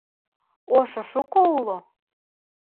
Ошо шуко уло?